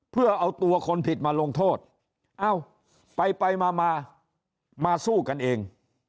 เพื่อเอาตัวคนผิดมาลงโทษเอ้าไปไปมามาสู้กันเอง